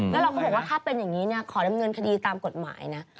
แล้วเราก็บอกว่าถ้าเป็นอย่างนี้ขอดำเนินคดีตามกฎหมายนะ